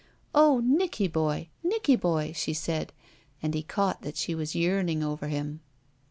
"Oh, Nicky boy! Nicky boy!" she said, and he caught that she was yearning over him.